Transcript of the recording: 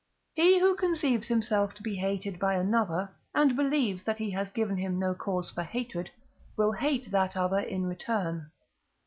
He, who conceives himself to be hated by another, and believes that he has given him no cause for hatred, will hate that other in return.